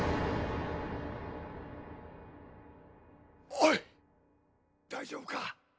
・おい大丈夫か？